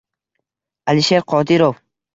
Alisher Qodirov: